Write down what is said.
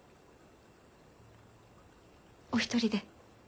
お一人で？